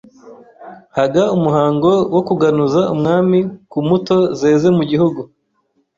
Haga umuhango wo kuganuza umwami ku muto zeze mu Gihugu